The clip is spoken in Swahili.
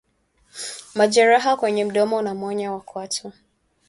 Majeraha kwenye mdomo na mwanya wa kwato